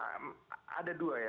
iya ada dua ya